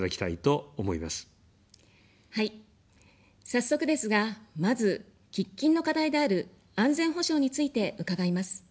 早速ですが、まず、喫緊の課題である安全保障について伺います。